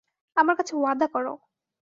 আমার কাছে ওয়াদা করো।